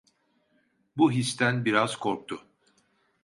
Bu histen biraz korktu.